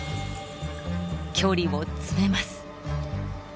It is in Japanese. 距離を詰めます。